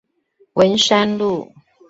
文山路